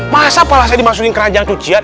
masa palasnya dimaksudin keranjang cucian